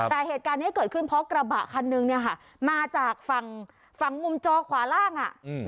แต่เหตุการณ์นี้เกิดขึ้นเพราะกระบะคันนึงเนี่ยค่ะมาจากฝั่งฝั่งมุมจอขวาล่างอ่ะ